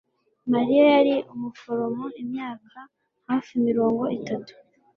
Mariya yari umuforomo imyaka hafi mirongo itatu.